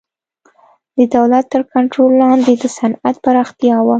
د دولت تر کنټرول لاندې د صنعت پراختیا وه